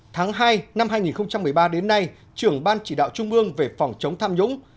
tháng hai năm hai nghìn một mươi ba đến nay trưởng ban chỉ đạo trung ương về phòng chống tham nhũng